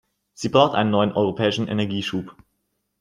Sie braucht einen neuen europäischen Energieschub.